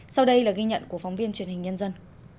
sau đây là ghi nhận của phóng viên truyền hình nhân dân